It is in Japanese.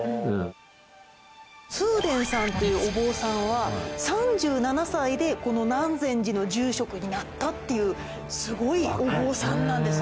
崇伝さんというお坊さんは３７歳でこの南禅寺の住職になったっていうすごいお坊さんなんです。